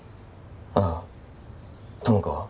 ああ友果は？